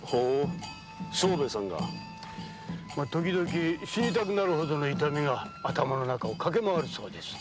時々死ぬほどの痛みが頭の中を駆け回るそうです。